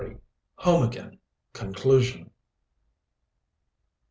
HOME AGAIN CONCLUSION.